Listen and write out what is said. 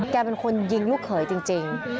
แกเป็นคนยิงลูกเขยจริง